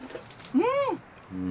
うん。